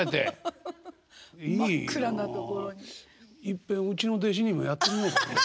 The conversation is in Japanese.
いっぺんうちの弟子にもやってみようかな。